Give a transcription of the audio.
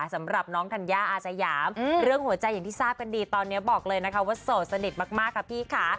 สำหรับน้องธัญญาอาสยามเรื่องหัวใจอย่างที่ทราบกันดีตอนนี้บอกเลยนะคะว่าโสดสนิทมากค่ะพี่ค่ะ